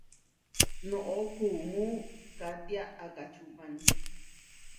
Noʼó kuumú katiá akáʼčupani.